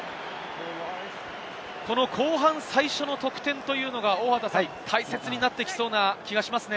後半最初の得点というのが大切になってきそうな気がしますね。